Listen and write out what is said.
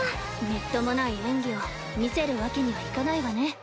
みっともない演技を見せるわけにはいかないわね。